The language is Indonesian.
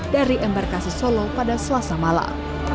dari embarkasi solo pada selasa malam